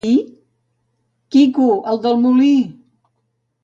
—Qui? —Quico el del molí!